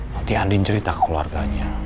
nanti andin cerita ke keluarganya